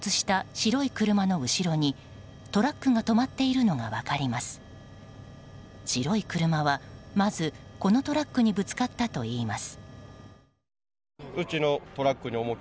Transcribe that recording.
白い車はまず、このトラックにぶつかったといいます。